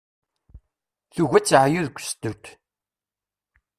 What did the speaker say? Tugi ad teɛyu deg usettet.